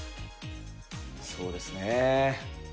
そうですね